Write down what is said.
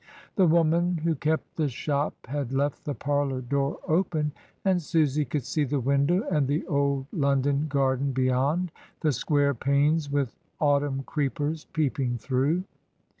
The woman who kept the shop had left the parlour door open, and Susy could see the window and the old London garden beyond, the square panes with autumn creepers peeping through.